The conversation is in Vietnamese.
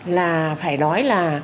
là phải nói là